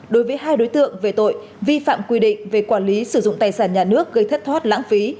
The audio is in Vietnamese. đối với hai đối tượng về tội vi phạm quy định về quản lý sử dụng tài sản nhà nước gây thất thoát lãng phí